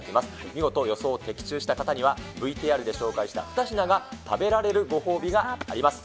見事、予想的中した方には、ＶＴＲで紹介した２品が食べられるご褒美があります。